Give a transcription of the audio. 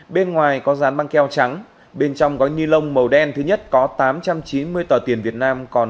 bên ngoài có dán băng keo trắng bên trong gói ni lông màu đen thứ nhất có tám trăm chín mươi tờ tiền việt nam còn